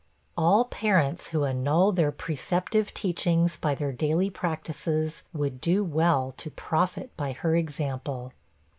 All parents who annul their preceptive teachings by their daily practices would do well to profit by her example.